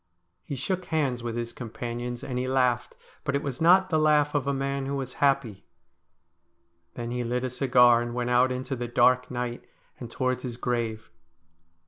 He shook hands with his companions, and he laughed, but it was not the laugh of a man who was happy. Then he lit a cigar and went out into the dark night, and towards his grave.